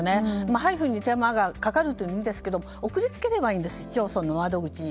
配布に手間がかかるといいますけど送り付ければいいんです市町村の窓口に。